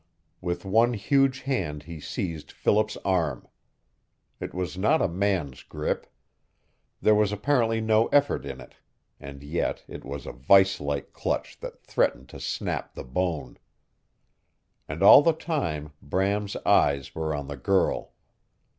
With one huge hand he seized Philip's arm. It was not a man's grip. There was apparently no effort in it, and yet it was a vise like clutch that threatened to snap the bone. And all the time Bram's eyes were on the girl.